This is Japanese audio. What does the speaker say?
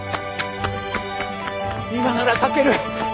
今なら書ける！